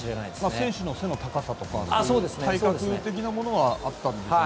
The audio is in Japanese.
選手の背の高さとか体格的なものもあったんでしょうけど。